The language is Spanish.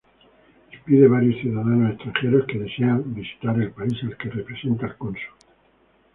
Expide varios ciudadanos extranjeros que desean visitar el país al que representa el cónsul.